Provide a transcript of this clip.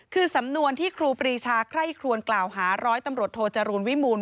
คือสำนวนที่ครูปรีชาไคร่ครวนกล่าวหาร้อยตำรวจโทจรูลวิมูล